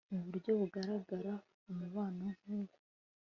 mu buryo bugaragara, umubano nk'uwo